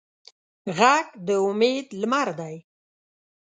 غږ د امید لمر دی